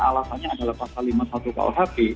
alasannya adalah pasal lima puluh satu kuhp